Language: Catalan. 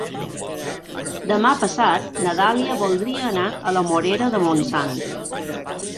Demà passat na Dàlia voldria anar a la Morera de Montsant.